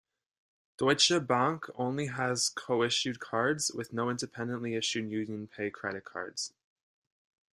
Deutsche Bank only has co-issued cards, with no independently issued UnionPay credit cards.